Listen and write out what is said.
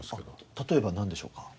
例えばなんでしょうか？